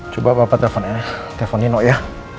coba bapak telfon ya telfon nino ya